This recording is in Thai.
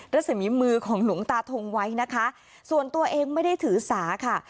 รัศมีมือของหลวงตาทงไว้นะคะส่วนตัวเองไม่ได้ถือสาค่ะ